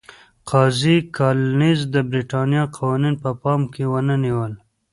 قاضي کالینز د برېټانیا قوانین په پام کې ونه نیول.